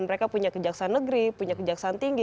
mereka punya kejaksaan negeri punya kejaksaan tinggi